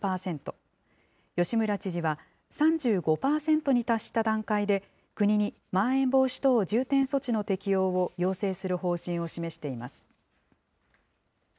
吉村知事は３５％に達した段階で、国にまん延防止等重点措置の適用を要請する方針を示しています。